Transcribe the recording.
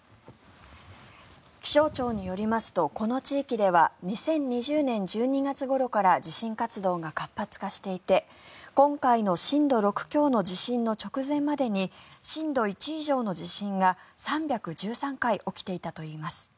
気象庁によりますとこの地域では２０２０年１２月ごろから地震活動が活発化していて今回の震度６強の地震の直前までに震度１以上の地震が３１３回起きていたといいます。